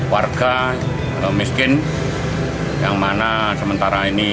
warga miskin yang mana sementara ini